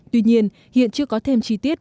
tuy nhiên hiện chưa có thêm chi tiết